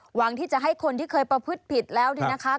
หวังที่จะให้คนที่เคยประพฤติผิดแล้วเนี่ยนะคะ